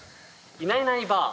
いないいないばあ。